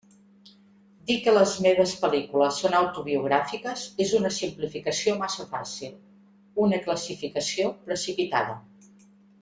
Dir que les meves pel·lícules són autobiogràfiques és una simplificació massa fàcil, una classificació precipitada.